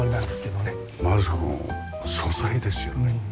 まずこの素材ですよね。